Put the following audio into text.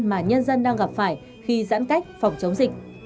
mà nhân dân đang gặp phải khi giãn cách phòng chống dịch